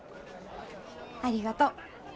ありがとう。